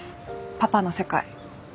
パパの世界。